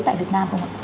tại việt nam không ạ